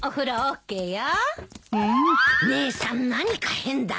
姉さん何か変だね。